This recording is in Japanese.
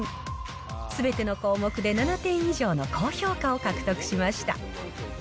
すべての項目で７点以上の高評価を獲得しました。